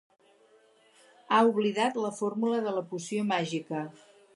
Ha oblidat la fórmula de la poció màgica.